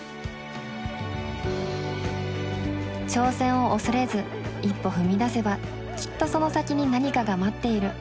挑戦を恐れず一歩踏み出せばきっとその先に何かが待っている。